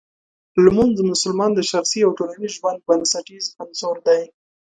لمونځ د مسلمان د شخصي او ټولنیز ژوند بنسټیز عنصر دی.